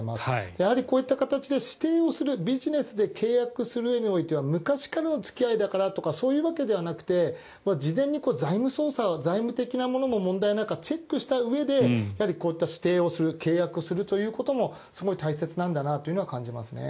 やはりこういった形で指定をするビジネスで契約するうえにおいては昔からの付き合いだからとかそういうわけではなくて事前に財務捜査、財務的な問題もチェックしたうえでこういった指定をする契約をするということもすごい大切なんだなというのは感じますね。